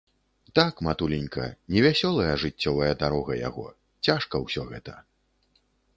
Так, матуленька, невясёлая жыццёвая дарога яго, цяжка ўсё гэта.